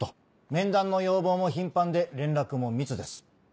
面談の要望も頻繁で連絡も密です。